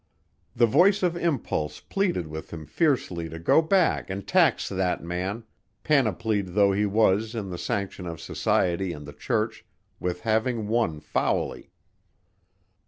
The voice of impulse pleaded with him fiercely to go back and tax that man, panoplied though he was in the sanction of society and the church, with having won foully.